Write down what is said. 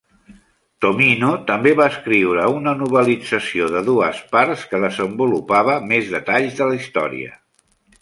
Tomino també va escriure una novel·lització de dues parts que desenvolupava més detalls de la història.